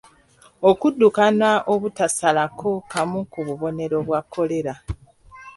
Okuddukana obutasalako kamu ku bubonero bwa Kkolera.